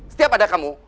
setiap ada kamu